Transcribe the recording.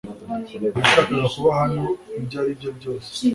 Nashakaga kuba hano ibyo ari byo byose